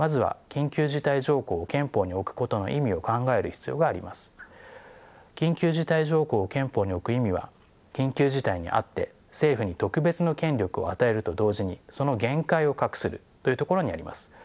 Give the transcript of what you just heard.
緊急事態条項を憲法に置く意味は緊急事態にあって政府に特別の権力を与えると同時にその限界を画するというところにあります。